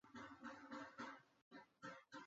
埃舍奈。